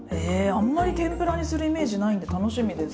あんまり天ぷらにするイメージないんで楽しみです。